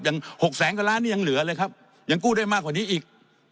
๖แสนกว่าล้านนี่ยังเหลือเลยครับยังกู้ได้มากกว่านี้อีก